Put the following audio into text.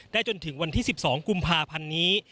จนถึงวันที่๑๒กุมภาพันธ์นี้